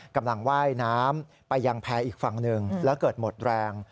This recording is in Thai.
กำลังว่ายน้ำไปยังแพร่อีกฝั่งหนึ่งแล้วเกิดหมดแรง